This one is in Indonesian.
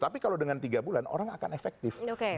tapi kalau dengan tiga bulan orang akan efektif